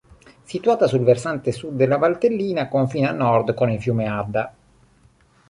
Situata sul versante sud della Valtellina confina a nord con il fiume Adda.